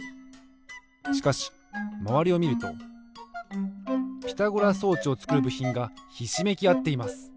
しかしまわりをみるとピラゴラ装置をつくるぶひんがひしめきあっています。